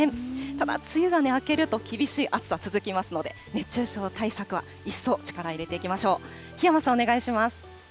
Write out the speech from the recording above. ただ、梅雨が明けると、厳しい暑さ、続きますので、熱中症対策は一層力入れていきましょう。